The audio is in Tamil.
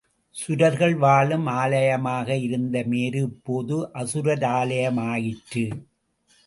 சுரர்கள் வாழும் ஆலயமாக இருந்த மேரு இப்போது அசுராலயமாயிற்று.